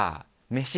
飯